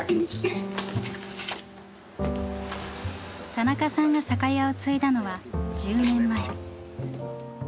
田中さんが酒屋を継いだのは１０年前。